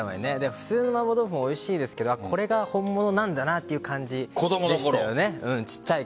普通の麻婆豆腐もおいしいですけどこれが本物なんだなという感じでしたよね。